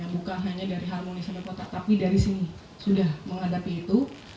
bukan hanya dari harmoni sampai kota tapi dari sini sudah menghadapi itu